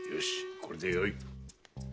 これでよい。